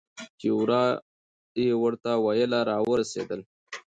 چې ورا یې ورته ویله راورسېدل.